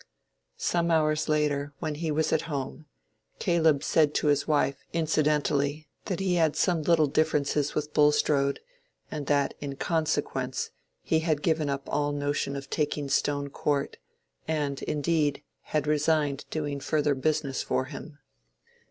Some hours later, when he was at home, Caleb said to his wife, incidentally, that he had had some little differences with Bulstrode, and that in consequence, he had given up all notion of taking Stone Court, and indeed had resigned doing further business for him.